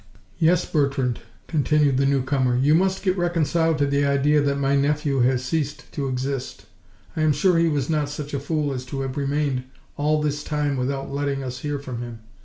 "Yes, Bertrande," continued the new comer, "you must get reconciled to the idea that my nephew has ceased to exist. I am sure he was not such a fool as to have remained all this time without letting us hear from him.